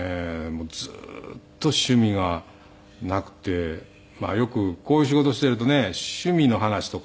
もうずーっと趣味がなくてまあよくこういう仕事しているとね趣味の話とかねっ。